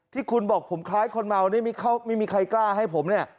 ที่คุณบอกผมคล้ายคนเมานี่ไม่มีใครกล้าให้ผมเนี่ย